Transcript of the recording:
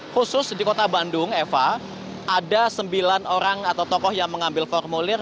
khusus di kota bandung eva ada sembilan orang atau tokoh yang mengambil formulir